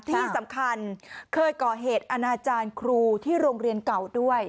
ที่สำคัญเคยก่อเหตุอนาจารย์ครูที่โรงเรียนเก่าด้วย